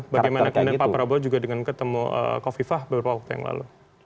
bagaimana kemudian pak prabowo juga dengan ketemu kofifah beberapa waktu yang lalu